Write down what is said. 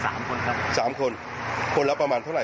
สามคนครับสามคนคนละประมาณเท่าไห